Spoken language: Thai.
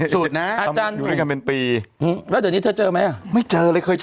สุดน่ะเพื่อนกันเป็นปีแล้วเดี๋ยวนี้เธอเจอมั้ยไม่เจอเลยเคยเจอ